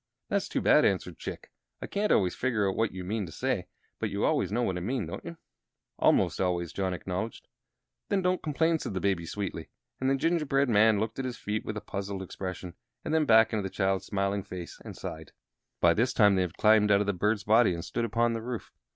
"That's too bad," answered Chick. "I can't always figure out what you mean to say; but you always know what I mean, don't you?" "Almost always," John acknowledged. "Then don't complain," said the Baby, sweetly; and the gingerbread man looked at his feet with a puzzled expression, and then back into the child's smiling face, and sighed. [Illustration: CHICK DISCOVERS A TRAP DOOR] By this time they had climbed out of the bird's body and stood upon the roof.